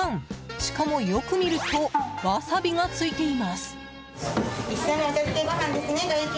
しかも、よく見るとワサビが付いています。